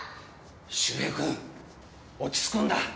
周平君落ち着くんだ！